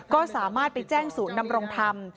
ก็สามารถไปแจ้งศูนย์นำรงธรรม